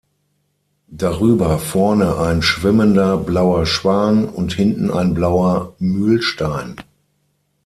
Darüber vorne ein schwimmender blauer Schwan und hinten ein blauer Mühlstein.